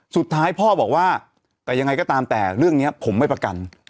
สุดท้ายพ่อบอกว่าแต่ยังไงก็ตามแต่เรื่องนี้ผมไม่ประกัน